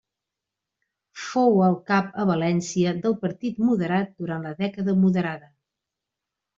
Fou el cap a València del Partit Moderat durant la Dècada Moderada.